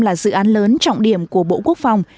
là dự án lớn trọng điểm của bộ quốc phòng